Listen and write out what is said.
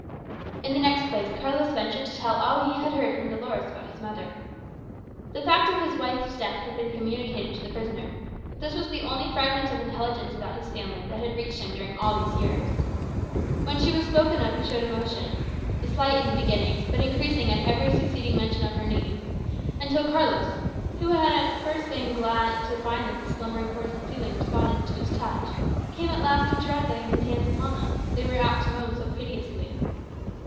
In the next place, Carlos ventured to tell all he had heard from Dolores about his mother. The fact of his wife's death had been communicated to the prisoner; but this was the only fragment of intelligence about his family that had reached him during all these years. When she was spoken of, he showed emotion, slight in the beginning, but increasing at every succeeding mention of her name, until Carlos, who had at first been glad to find that the slumbering chords of feeling responded to his touch, came at last to dread laying his hands upon them, they were apt to moan so piteously.